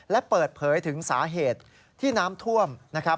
และเปิดเผยถึงสาเหตุที่น้ำท่วมนะครับ